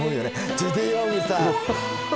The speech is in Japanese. ジュディ・オングさん！